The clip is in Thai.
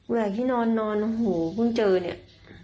แหกที่นอนนอนโอ้โหเพิ่งเจอเนี่ย